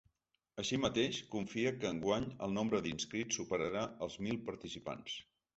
Així mateix, confia que enguany el nombre d’inscrits superarà els mil participants.